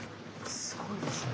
すごいですね。